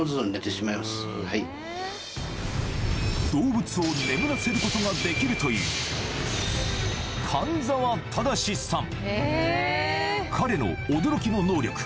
動物を眠らせることができるという彼の驚きの能力